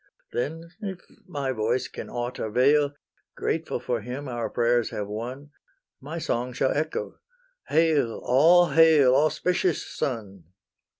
Then, if my voice can aught avail, Grateful for him our prayers have won, My song shall echo, "Hail, all hail, Auspicious Sun!"